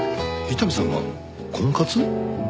伊丹さんが婚活？